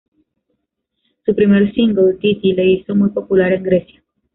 Su primer single, "Ti Ti", le hizo muy popular en Grecia.